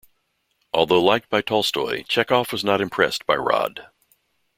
Although liked by Tolstoy, Chekhov was not impressed by Rod.